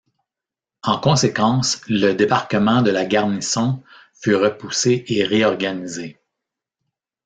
En conséquence, le débarquement de la garnison fut repoussé et réorganisé.